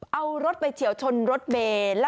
เอารถไปเฉียวชนรถเมย์